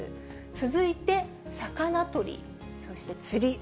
続いて魚取り、そして釣り。